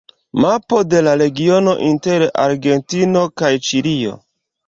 Mapo de la regiono inter Argentino kaj Ĉilio.